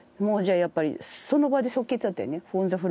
やっぱりその場で即決だったよね。